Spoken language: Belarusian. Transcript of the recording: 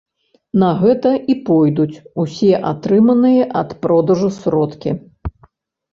На гэта і пойдуць усе атрыманыя ад продажу сродкі.